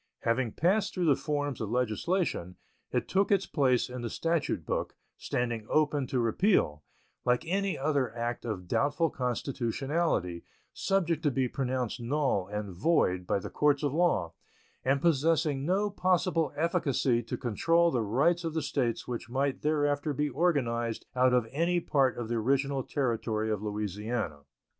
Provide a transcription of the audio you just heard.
Having passed through the forms of legislation, it took its place in the statute book, standing open to repeal, like any other act of doubtful constitutionality, subject to be pronounced null and void by the courts of law, and possessing no possible efficacy to control the rights of the States which might thereafter be organized out of any part of the original territory of Louisiana.